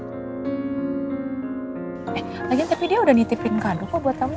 eh lagi tapi dia udah nitipin kado buat kamu